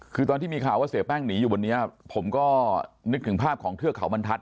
คือตอนที่มีข่าวว่าเสียแป้งหนีอยู่บนนี้ผมก็นึกถึงภาพของเทือกเขาบรรทัศ